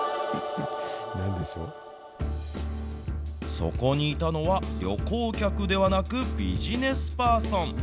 そこにいたのは、旅行客ではなく、ビジネスパーソン。